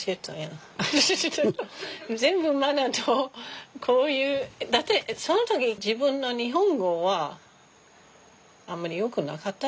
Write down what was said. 全部マナーとこういうだってその時自分の日本語はあんまりよくなかったでしょ？